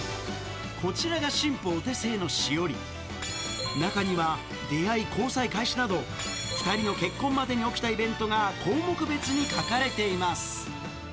こちらが新婦お手製のしおり中には出会い交際開始など２人の結婚までに起きたイベントが項目別に書かれています